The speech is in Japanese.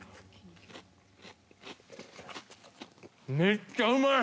めっちゃうまい！